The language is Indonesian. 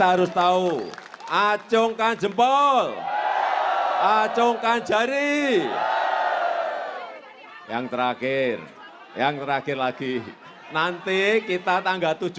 assalamualaikum warahmatullahi wabarakatuh